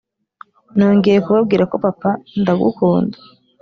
nongeye kubabwira ko papa, ndagukunda.